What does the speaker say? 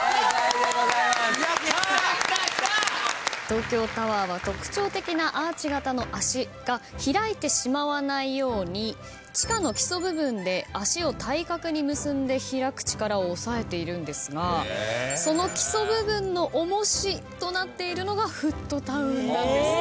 東京タワーは特徴的なアーチ型の脚が開いてしまわないように地下の基礎部分で脚を対角に結んで開く力を抑えているんですがその基礎部分の重しとなっているのがフットタウンなんです。